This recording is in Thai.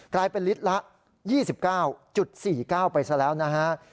กลายเป็นลิตรละ๒๙๔๙ไปซะแล้วนะฮะ